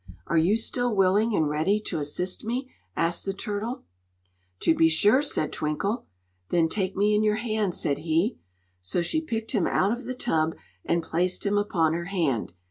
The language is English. "Are you still willing and ready to assist me?" asked the turtle. "To be sure," said Twinkle. "Then take me in your hand," said he. So she picked him out of the tub and placed him upon her hand.